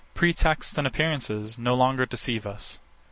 Pretexts and appearances no longer deceive us.